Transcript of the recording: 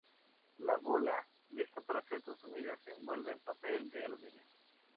La bola, lista para ser consumida, se envuelve en papel de aluminio.